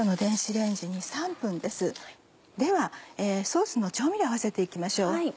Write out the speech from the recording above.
ではソースの調味料合わせて行きましょう。